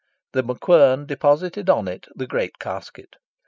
The MacQuern deposited on it the great casket.